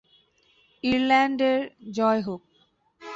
ইরেল্যান্ডের জয় হোক!